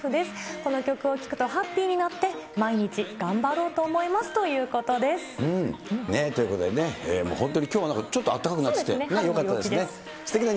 この曲を聴くとハッピーになって、毎日頑張ろうと思いますということです。ということでね、本当にきょうはちょっとあったかくなって、よかったですね。